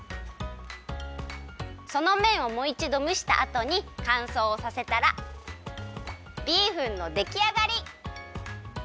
そのめんをもういちどむしたあとにかんそうさせたらビーフンのできあがり！